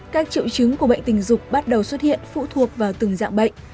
các triệu chứng của bệnh tình dục bắt đầu xuất hiện phụ thuộc vào từng dạng bệnh